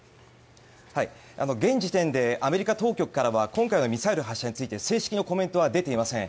現時点でアメリカ当局からは今回のミサイル発射について正式なコメントは出ていません。